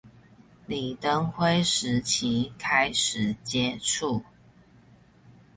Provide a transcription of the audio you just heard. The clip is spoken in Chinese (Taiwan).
李登輝時期開始接觸